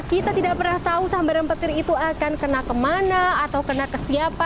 kita tidak pernah tahu sambaran petir itu akan kena kemana atau kena ke siapa